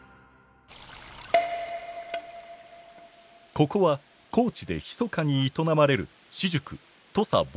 ここは高知でひそかに営まれる私塾